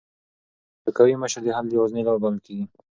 یو قوي مشر د حل یوازینۍ لار بلل کېږي.